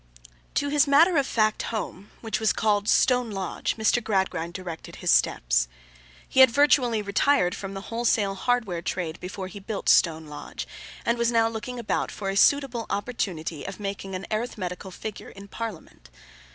To his matter of fact home, which was called Stone Lodge, Mr. Gradgrind directed his steps. He had virtually retired from the wholesale hardware trade before he built Stone Lodge, and was now looking about for a suitable opportunity of making an arithmetical figure in Parliament.